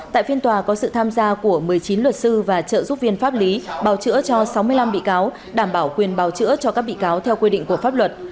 tại phiên tòa có sự tham gia của một mươi chín luật sư và trợ giúp viên pháp lý bào chữa cho sáu mươi năm bị cáo đảm bảo quyền bào chữa cho các bị cáo theo quy định của pháp luật